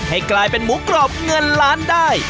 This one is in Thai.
ให้กลายเป็นหมูกรอบเงินล้านได้